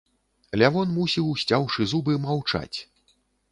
Лявон мусіў, сцяўшы зубы, маўчаць.